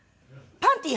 パンティー？